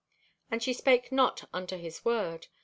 "And she spake not unto his word.